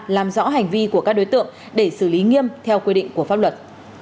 làm rõ hành vi của các đối tượng để xử lý nghiêm theo quy định của pháp luật